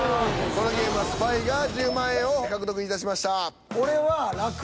このゲームはスパイが１０万円を獲得いたしました。